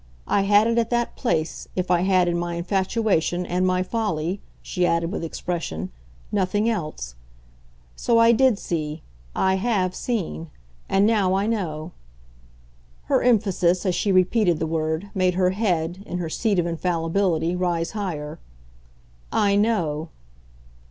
I had it at that place if I had, in my infatuation and my folly," she added with expression, "nothing else. So I did see I HAVE seen. And now I know." Her emphasis, as she repeated the word, made her head, in her seat of infallibility, rise higher. "I know."